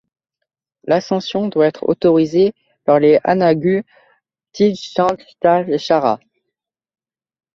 L'ascension doit être autorisée par les Anangu Pitjantjatjara.